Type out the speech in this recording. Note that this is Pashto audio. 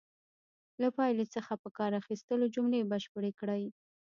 له پایلې څخه په کار اخیستلو جملې بشپړې کړئ.